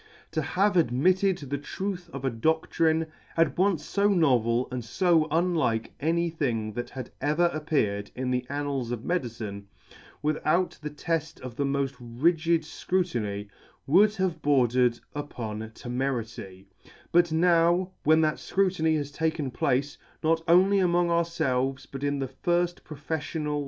To have admitted the truth of a.docdrine, at once fo novel and fo unlike any thing that had ever appeared in the Annals of Medicine, without the ted of the mod rigid fcrutiny, would have bordered upon temerity ; but now, when that fcrutiny has taken place, not only among ourfclves, but in the fird profeffional.